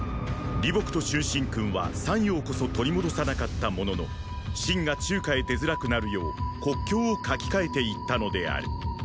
李牧と春申君は“山陽”こそ取り戻さなかったものの秦が中華へ出づらくなるよう国境を書きかえていったのである。